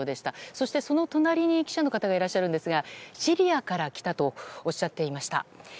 そして、その隣に記者の方がいらっしゃるんですがシリアから来たとおっしゃっていました。